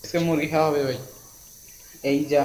এই যা, এটা আপনাকে লেখা ঠিক হল না।